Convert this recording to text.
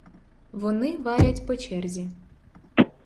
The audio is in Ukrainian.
Вони варять по черзі.